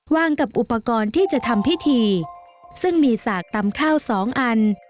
กับอุปกรณ์ที่จะทำพิธีซึ่งมีสากตำข้าวสองอัน